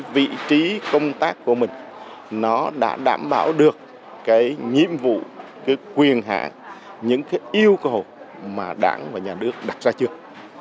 vị trí công tác của mình đã đảm bảo được nhiệm vụ quyền hạng những yêu cầu mà đảng và nhà nước đặt ra trước